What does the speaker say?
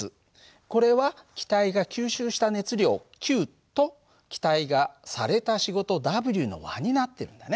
これは気体が吸収した熱量Ｑと気体がされた仕事Ｗの和になってるんだね。